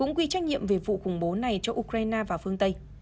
cũng quy trách nhiệm về vụ khủng bố này cho ukraine và phương tây